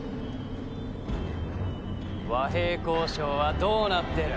和平交渉はどうなってる？